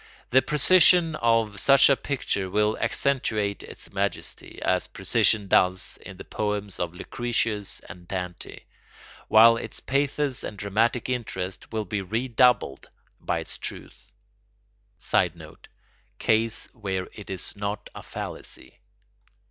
The precision of such a picture will accentuate its majesty, as precision does in the poems of Lucretius and Dante, while its pathos and dramatic interest will be redoubled by its truth. [Sidenote: Case where it is not a fallacy.